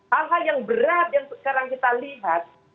hal hal yang berat yang sekarang kita lihat